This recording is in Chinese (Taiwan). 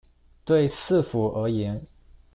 對市府而言